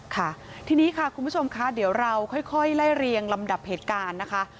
ค่ะทีนี้ค่ะคุณผู้ชมค่ะเดี๋ยวเราค่อยไล่เรียงลำดับเหตุการณ์นะคะ